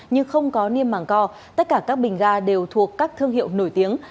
nhưng không có niêm mảng co tất cả các bình ga đều thuộc các thương hiệu nổi tiếng